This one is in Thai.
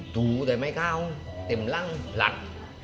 ถูแต่ไม่เข้าเต็มร่างหลัก